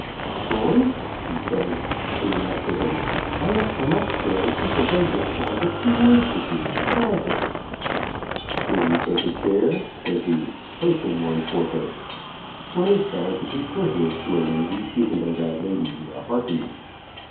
"George," she said, coming up to him, "I have come upstairs because I wish to have a few words with you private." "Will you take a chair?" said he, placing one for her. One is bound to be courteous to a lady, even though that lady be a harpy.